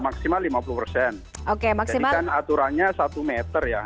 jadi kan aturannya satu meter ya